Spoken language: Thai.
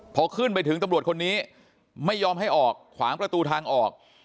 พอขึ้นไปถึงตำรวจคนนี้ไม่ยอมให้ออกขวางประตูทางออก